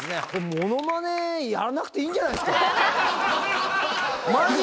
ものまね、やらなくていいんじゃないですか？